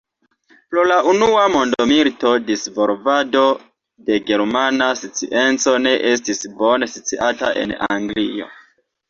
Pro la Unua mondmilito, disvolvado de germana scienco ne estis bone sciata en Anglio.